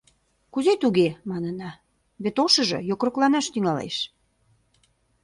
— Кузе туге, — манына, — вет ошыжо йокрокланаш тӱҥалеш!